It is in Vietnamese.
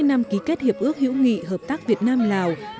bốn mươi năm ký kết hiệp ước hữu nghị hợp tác việt nam lào